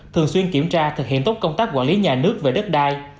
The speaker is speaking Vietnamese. thường xuyên kiểm tra thực hiện tốt công tác quản lý nhà nước về đất đai